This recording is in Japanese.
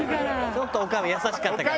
ちょっと女将優しかったから。